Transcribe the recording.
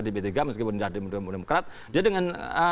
di p tiga meskipun di p tiga dia dengan